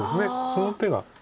その手が。